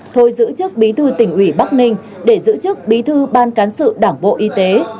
thôi giữ chức bí thư tỉnh ủy bắc ninh để giữ chức bí thư ban cán sự đảng bộ y tế